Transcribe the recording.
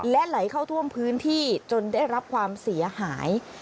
และไหลเข้าท่วมพื้นที่จนได้รับความเสียหาย